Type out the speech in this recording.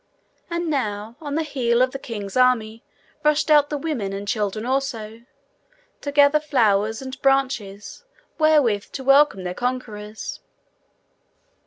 And now on the heels of the king's army rushed out the women and children also, to gather flowers and branches, wherewith to welcome their conquerors.